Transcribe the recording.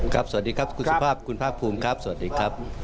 สวัสดีครับคุณสุภาพคุณภาคภูมิครับสวัสดีครับ